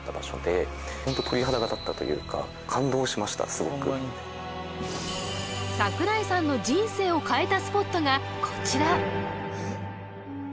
すごく桜井さんの人生を変えたスポットがこちら